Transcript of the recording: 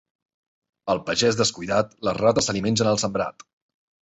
Al pagès descuidat, les rates se li mengen el sembrat.